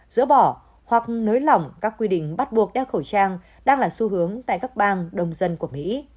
dỡ bỏ hoặc nới lỏng các quy định bắt buộc đeo khẩu trang đang là xu hướng tại các bang đông dân của mỹ